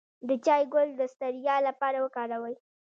د چای ګل د ستړیا لپاره وکاروئ